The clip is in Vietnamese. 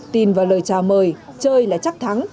tin và lời chào mời chơi là chắc thắng